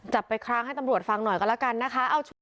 จับไปครั้งให้ตำรวจฟังหน่อยก็แล้วกันนะคะ